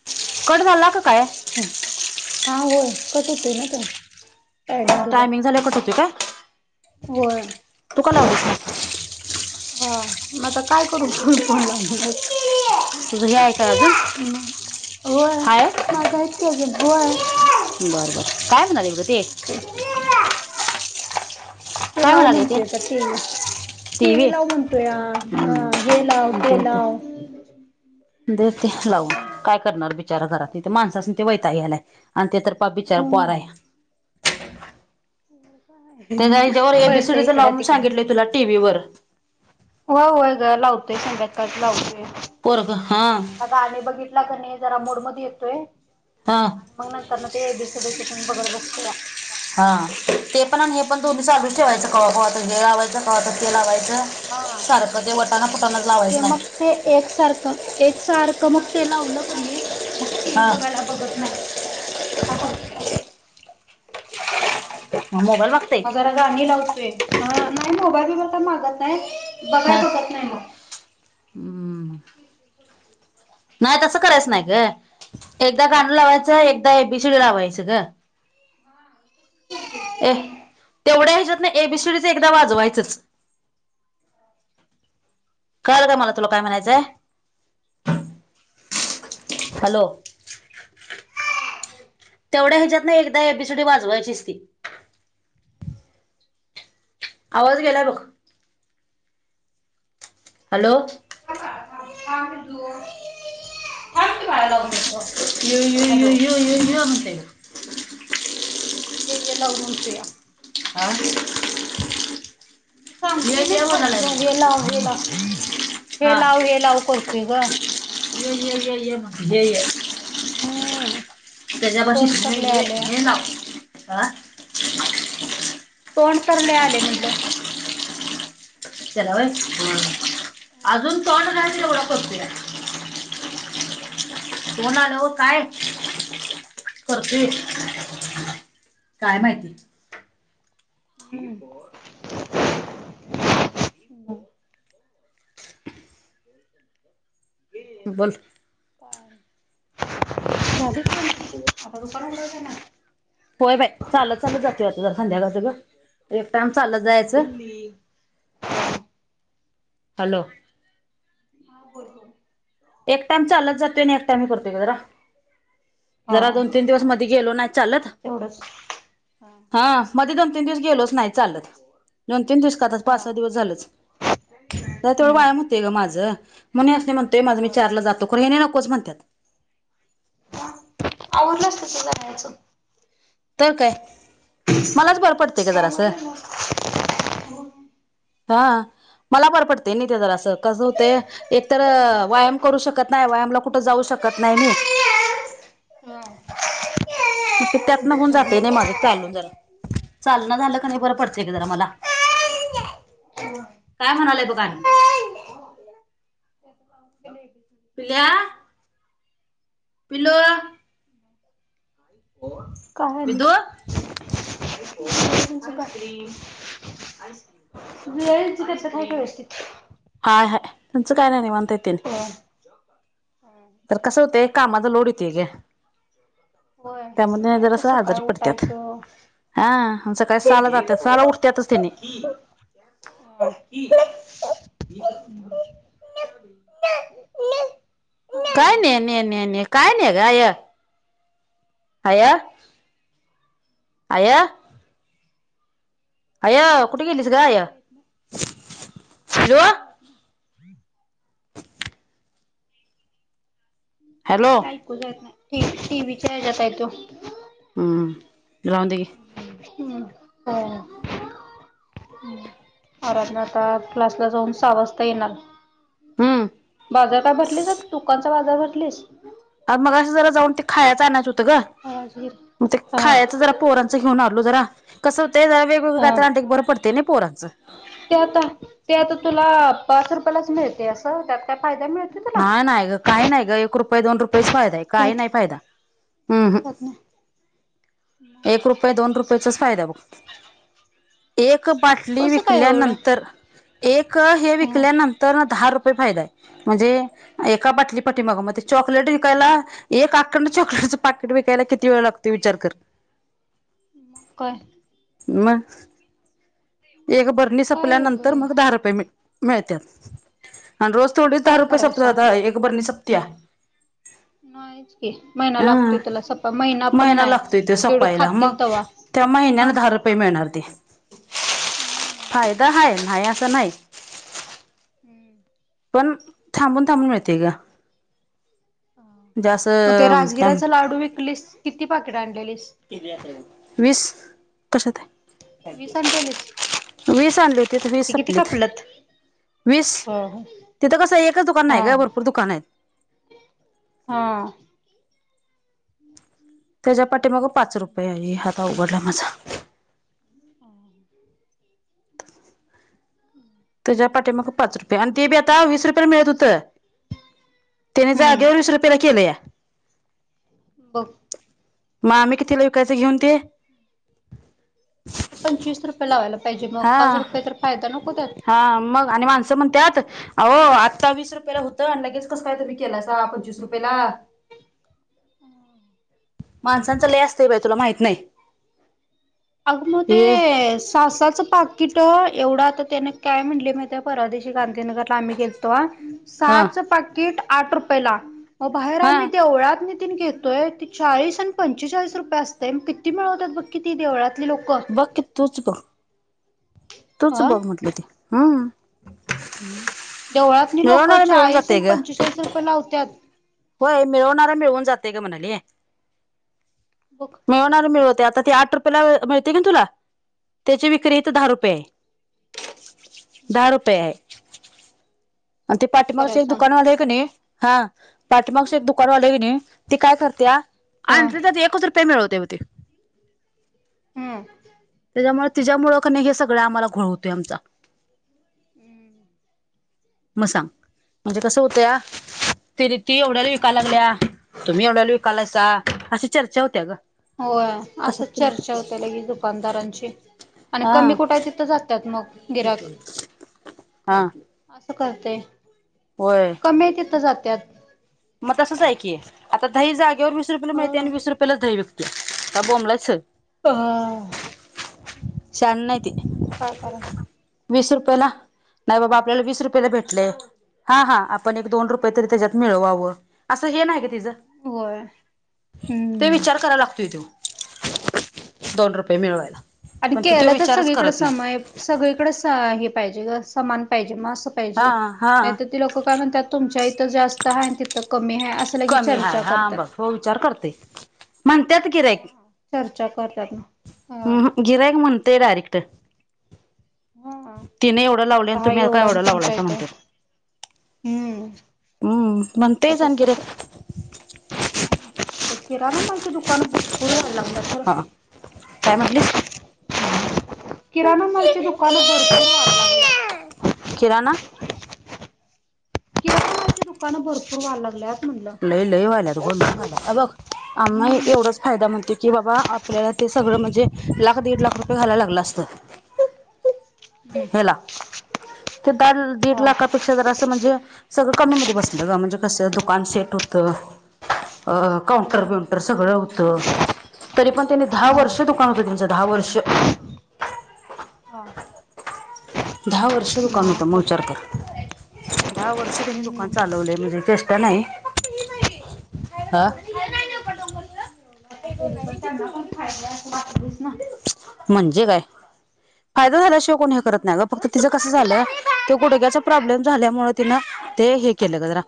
[unintelligible] Cut झाला का काय? हम्म. हा होय. कट होतय न ते टायमिंग झाल्यावर कट होतोय का? व्हय. [inaudible] तू लावलीस मग हो. मग आता काय करू? तु फोन लावलायस. तुझं हे आहे काय अजून होय, हाय माझं हायेत की अजून, होय. बर बर. काय म्हणाले गं ते? [unintelligible] ते काय लाव म्हणाले ते म्हणते आता टि व्ही टी. व्ही. लाव म्हणतोया, हं, हे लाव, ते देते लाव. देते लावून. काय करणार ब बिचारा घरात. हिथं माणसं असून ते वैताग यायलाय, आणि ते तर पहा बिचारं पोर हाय. हो आहे. त्यानं ह्याच्यावर ए बी सी डी चं लाव म्हणून सांगितलंय तुला, टी व्ही वर. होय होय गं. लावते, संध्याकाळी लावते. पोरगं. हा गाणी बघितला क नाही, जरा मूड मध्ये येतोय. हा आणि मग नंतर ना, ते ए बी सी डी चं पण बघत बसतोया. हा. ते पण आणि हे पण, दोन्ही चालूच ठेवायचं. कवा कवा हे लावायचं ते लावायचं हा सारखं ते वटाना कुटानाच लावायचं ते नाही मग ते एकसारखं एक सारखं मग ते लावलं कणी मग टी व्ही हा बघायला बघत नाही आता बघत्या म मोबाईलला म जरा गाणी लावतोय नाही मोबाईल बीबाईल मागत नाही बघाय बघत नाही मग हू नाही तसं करायचं नाही ग एकदा गाण लावायच एकदा एबिसीडी लावायचं ग ए तेवढ्या ह्याज्यातन एबीसीडीचं एकदा वाजवायचंच कळाल का मला तुला काय म्हणायचंय हॅलो तेवढ्या ह्याज्यातन एकदा एबीसिडी वाजवायचीच ती आवाज गेलाय बघ हॅलो थांब पिलू थांब की बाळ लाऊन देतो यू यू यू यू हॅलो यू ये म्हणतय हू ते ये लाव म्हणतुया हा [unintelligible] य सांगतोय य की म्हणालाय खालचं हे मला लाव हे लाव हे लाव हे लाव करतोय ग ये ये ये ये म्हण ये ये हम्म त्याच्यापाशी तोंड तर ये लय ये ये नाव तोड तर लई आलय म्हटलं त्याला होय होय अजून तोंड नाही तर एवढा करतोया हू होणार ओ काय करतोय काय माहिती हू होत बोल [unintelligible] होय बाई चालत चालत जातोय आता संध्याकाळचं ग एक टाइम चालत जायाचं हॅलो हा बोल हो एक टाइम चालत जातोय आणि एक टाइम करतोय ग जरा हा जरा दोन तीन दिवस मध्ये गेलो नाही चालत एवढंच हा मधे दोन तीन दिवस गेलोच नाही चालत दोन तीन दिवस का आता पाच सहा दिवस झालंच जरा तेवढं हम्म व्यायाम हूतय ग माझं म्हणून ह्यासनी म्हणतोय माझं मी होय. चारला जातो खर ह्यांनी नकोच म्हणत्यात आवरल्यास तसं जाण्याचं तर काय मलाच बरं पडतय ग जरासं आवरलं ना. हा मला बर पडतय नई ते जरासं कसं होतंय एक तर वायम करू शकत नाही वायमला कुठं जाऊ शकत नाही मी हो मग ते त्यातन होऊन जातय नाही माझ चालून जरा चालन झालं कणी बरं पडतंय ग जरा मला काय म्हणालाय बग [unintelligible] [unintelligible] पिल्या. पिल्लू. काय विदू आलीस. [unintelligible] [unintelligible] हाय, हाय तेचं काय नाही, निवांत आहेत तेनी. होय. तर कसं होतय, कामाचा लोड येतोय ग. त्यामुळे होय, जरासं आजारी सकाळी पडत्यात उठायचं. हा आणि सकाळी सहाला जात्यात सहाला उठत्यातच तेनी [unintelligible] [unintelligible] काय ने ने ने ने ने काय ने ग आय? आय, आय? आय, कुठे गेलीस ग ऐकू आय? जायत नाही हॅलो? ऐकू [inaudible] हॅलो नाही ऐकू जात नाही, टी व्हीच्या ह्याच्यात आहे त्यो. हम्म, राहुंदे घे. हम्म, हो. आराध्या आता क्लासला जाऊन सहा वाजता येणार. हम्म बाजार काय भरलेस, दुकानचा बाजार भरलीस? मग असं जरा जाऊन ते खायचं आणायचं होतं ग, राजगीर मग ते हा खायच जरा पोरचं घेऊन आलो जरा, कसं होतंय वेगळ काही हा तर आणलं की बरं पडतंय नी पोरांचं. ते आता, ते आता तुला पाच रुपयालाच मिळतय असं, त्यात काय फायदा मिळत नाही? नाय, नाय ग, काही नाही ग एक रुपये, दोन रुपयेच फायदा आहे काही त्यात नाही फायदा हं. त्यात नाही एक रुपये, दोन रुपयाचाच फायदा आहे बघ. एक बाटली कसं काय एवढं विकल्यानंतर, एक हे हम्म. विकल्यानंतर न दहा फायदा हाय, म्हणजे एका बाटली पाठीमाग मग ते चॉकलेट विकायला, एक आकंड चॉकलेटचं पाकेट विकायला किती वेळ लागतो विचार कर? मग काय? मग? एक बरणी काय संपल्यानंतर एवढं मग दहा रुपये मिळ मिळत्यात. आणि रोज थोडीच दहा काय रुपये सप करायचा जात एक बरणी सपत्या? नाही च की, महिना हा लागतोय त्याला सपाय महिना पण नाय, लागतोय तो जेवढे सपायला मग खातील तवा. त्या महिन्याने मग दहा रुपये मिळणार ते. हम्म. फायदा हाय, नाही असं नाही. हम्म. पण थांबून, थांबून मिळतेय ग. म्हणजे मग ते असं काय राजगिराचा लाडू विकलीस, किती पाकेट आणलेलीस? वीस. कशात आहे? वीस आणलेलीस वीस आणली होतीत, वीस ते किती सपलीत. कापलत वीस. हो हो तिथं कसं आहे एकच दुकान हा नाही आहे ग, भरपूर दुकान आहेत. हा. त्याच्या पाठी पाच रुपये. हात अवघडला माझा. ह [inaudible] त्याच्या पाठीमागे पाच रुपये आणि ते बी आता वीस रुपयला मिळत होतं. त्याने हम्म जागेवर वीस रुपयेला केलेया. बघं. मग आम्ही कितीला विकयाच घेऊन ते. पंचवीस रुपये लावायला पाहिजे मग हा पाच रुपये तर फायदा नको त्यात. हा मग. आणि माणसं म्हणत्यातं. आव आत्ता वीस रुपयाेला होतं लगेच कसं काय तुम्ही केलासा पंचवीस रुपयाेला. माणसांचं लयं असतयं बायं तुला माहिती अगं मग ते ये सा सा चं पा किट एवढं आता त्याने काय म्हणले माहीत परवादिवशी गांधीनगरला आम्ही गेलतो तवा. हा सहाच पाकिट आठ रुपयेला अहो बाहेर हा आम्ही देवळातनी घेतोय त चाळीस आणि पंचेचाळीस रुपये असतयं किती मिळवतात बघी ती देवळातली लोक. बघं की तूच बघं. तूच अ बघ म्हटलं ते हम्म. देवळातनी लोक मिळवणारा मिळून चाळीस जाते ग पंचेचाळीस रुपये लावतेत. होय मिळवणारा मिळवून जातयं गं म्हणाली. [inaudible] मिळवणारी मिळवते आता आठ रुपयेला मिळते की तुला त्याची विक्री इथ दहा हा रुपये आहे. दहा मग रुपये आहे. आणि ते काय कराय पाठीमागचे एक सांग दुकानवाली आहे का नाही हा पाठीमागची हा एक दुकानवाली आहे की नाही. ती काय करत्या हा आणतयं त्या एकच रुपये मिळवतयं त्यो. हम्म. त्याच्यामुळे तिच्यामुळं क नाही हे सगळं आम्हाला घोळवतोय आमचा. हम्म. [inaudible] मग सांग म्हणजे कसं काय होतं कराय या. प्रीती एवढ्याला विकायला लागल्या तुम्ही एवढ्याला विकायलास हा अशी चर्चा होत्या गं. होय असंच चर्चा होते लगेच दुकानदारांची आणि कमी कुठायं तिथं जातात मग. गिराक हा. असं करतयं. होय. कमी आहे तिथं जातेतं. मग तसंच आहे की आता दही जागेवर वीस रुपयाला मिळते आणि वीस रुपयाेलाच दही विकतोय काय बोंबलायचं. आ... शहाणं नाही ते. काय करा. वीस रुपयाला नाही बाबा आपल्याला वीस रुपयाला भेटलेयं. हा.. हा.. आपण एक दोन रुपये तरी त्याच्यात मिळवावं असं हे नाही गं तिचं. होय ते हम्म विचार कराला लागतोय तो. दोन रुपये मिळवायला आणि पण ति तो केलं तर विचारच सगळीकडे करत नाही समान सगळीकडे हे पाहिजे ग समान पाहिजे असं हा पाहिजे. हा नाही तर ती लोक काय म्हणतात तुमच्या इथं जास्त आहे आणि तिथं कमी आहे असं लगी कमी हाय चर्चा हा करतात बघं हो विचार करतयं म्हणत्यात गिरायकं. चर्चा करतात मग. हम्म हम्म. गिरायक म्हणतयं डायरेक्ट. हा तिने एवढं लावलयं तिथं आणि हा तुम्ही आ काय एवढा एवढं आणि तुमच्या लावलयं इथे म्हणतेत. हम्म हम्म.. म्हणतयचं अन गिरायकं. किराण माल ची दुकान भरपूरं व्हायला लागलेत बरं का. हा काय म्हटलीस. किराणा मालाची दुकान भरपूर व्हायला लागल्यात किराणा किराणा मालाच दुकानं भरपूर व्हाय लागल्यात. म्हणलं लई लई व्हाल्यात अ बघ आम्ही एवढाच फायदा म्हणतोय. कि बाबा आपल्याला ते सगळं म्हणजे लाख दीड लाख रुपये घालायला लागलं असतं. हम्म याला काल दिड हा लाखापासु असं म्हणजे सगळं कमीमध्ये बसलं ग म्हणजे कसं दुकान सेट. त काउंटर हा ब्यउंटर सगळं होत. तरी पण त्यांनी दहा हा वर्ष दुकान होतं त्यांचं दहा वर्ष हा दहा वर्ष दुकान होत हा मग बघ विचार कर. दहा वर्ष त्यानी दुकान हम्म चालवलेय म्हणजे चेष्टा नाही ह [unintelligible] नी पण त्यांना पण खाय असं वाटतस ना. म्हणजे काय? फायदा झाल्याशिवाय कोणी हे करत नाही ग फक्त तिचं कसं झालं ते गुडग्याचा प्रॉब्लेम झाल्यामुळे तिनं ते हे केलं ग जरा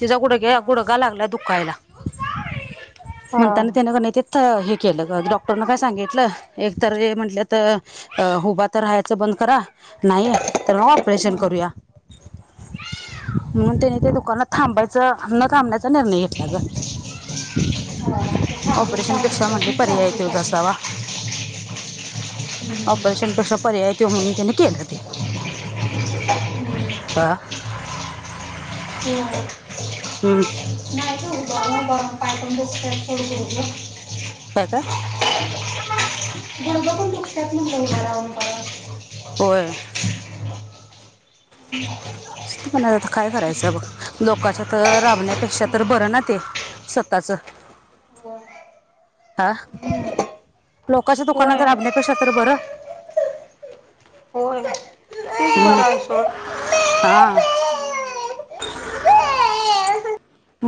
तिचा गुडग्या गुडगा हा लागला दुखायला. [inaudible] म्हणताना हा त्यान का तेच हे केलं डॉक्टर न काय सांगित ल म्हटलं एक तर म्हंटलं तर हुबा तर राहायचं बंद करा. नाही आहे तर ऑपरेशन करूया? हा. म्हणून त्यानी त्या दुकानात थांबायच न थाबण्याचा निर्णय घेतला ग. हा ते सांग पेक्षा म्हटली पर्याय त्योच असावा ऑपरेशनपेक्षा पेक्षा पर्याच तो म्हणून त्याने केलं हा. म हम्म नाही तो हो रम पाठून बस [unintelligible] काय काय गुडघ पण दुखतात म्हणल उभ राहून उभ राहून. होय आता करायचं बघ लोकांच्या तर राबण्यापेक्षा तर बरं ना ते. स्वतःच. हो. हा लोकच्या होय दुकानात राबण्यापेक्षा तर बरं. होय तेच बरं मग आहे हा सोड. म